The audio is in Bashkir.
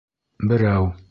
Берәү.